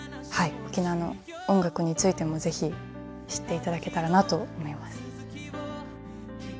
はい沖縄の音楽についても是非知っていただけたらなと思います。